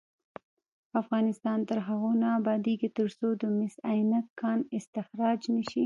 افغانستان تر هغو نه ابادیږي، ترڅو د مس عینک کان استخراج نشي.